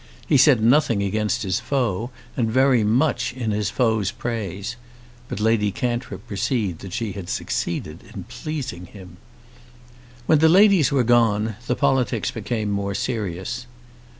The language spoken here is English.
He said nothing against his foe, and very much in his foe's praise. But Lady Cantrip perceived that she had succeeded in pleasing him. When the ladies were gone the politics became more serious.